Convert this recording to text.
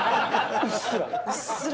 うっすら。